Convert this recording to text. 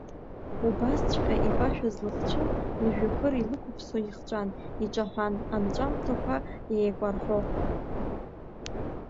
Убасҵәҟьа ипашәыз лыхцәы лыжәҩахыр илықәыԥсо ихҵәан, иҿаҳәан, анҵәамҭақәа еикәарҳәо.